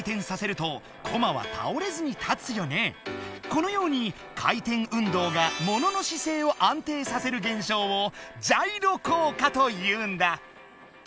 このように回転運動がものの姿勢を安定させる現象を「ジャイロ効果」というんだ！